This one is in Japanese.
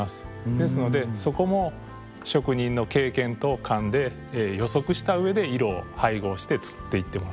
ですのでそこも職人の経験と勘で予測した上で色を配合して作っていってもらっています。